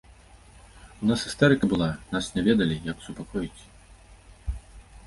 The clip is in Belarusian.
У нас істэрыка была, нас не ведалі, як супакоіць.